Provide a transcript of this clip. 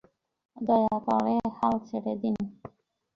দয়া করে হাল ছেড়ে দিন।